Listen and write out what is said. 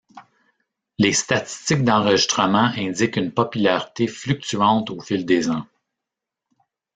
Les statistiques d’enregistrement indiquent une popularité fluctuante au fil des ans.